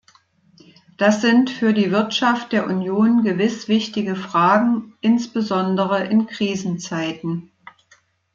Das sind für die Wirtschaft der Union gewiss wichtige Fragen, insbesondere in Krisenzeiten.